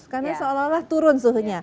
karena seolah olah turun suhunya